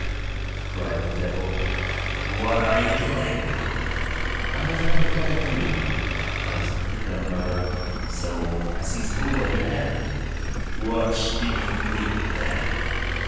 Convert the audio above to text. cried the devil, "what are you doing?" "I have had a bad dream," answered the grandmother, "so I seized hold of your hair." "What did you dream then?"